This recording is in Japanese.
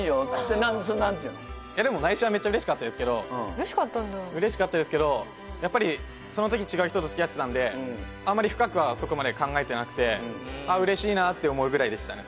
嬉しかったんだ嬉しかったですけどやっぱりそのとき違う人と付き合ってたんであんまり深くはそこまで考えてなくてああ嬉しいなって思うぐらいでしたね